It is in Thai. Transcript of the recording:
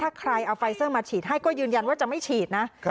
ถ้าใครเอาไฟเซอร์มาฉีดให้ก็ยืนยันว่าจะไม่ฉีดนะ